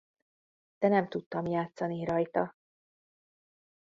De nem tudtam játszani rajta.